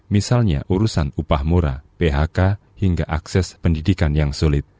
misalnya urusan upah murah phk hingga akses pendidikan yang sulit